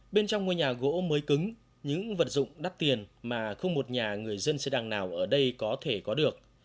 bên trong ngôi nhà gỗ mới cứng những vật dụng đắt tiền mà không một nhà người dân xe đằng nào ở đây có thể có được